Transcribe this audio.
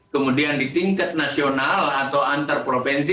kemudian di tingkat nasional atau antar provinsi